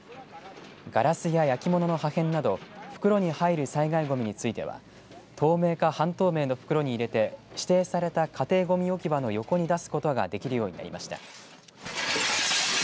ガラスや焼き物の破片など袋に入る災害ごみについては透明か半透明の袋に入れて指定された家庭ごみ置き場の横に出すことができるようになりました。